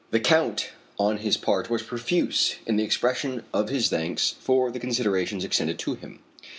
The Count on his part was profuse in the expression of his thanks for the considerations extended to him.